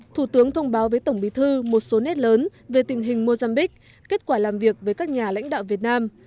thủ tướng thông báo với tổng bí thư một số nét lớn về tình hình mozambique kết quả làm việc với các nhà lãnh đạo việt nam